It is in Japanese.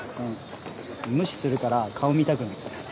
無視するから顔見たくなって。